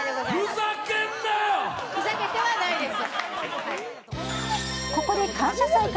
ふざけてはないです。